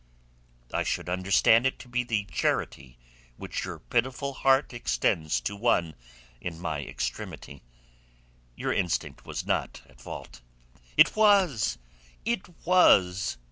"I should understand it to be the charity which your pitiful heart extends to one in my extremity. Your instinct was not at fault." "It was! It was!"